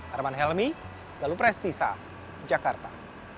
harman helmy lalu prestisa jakarta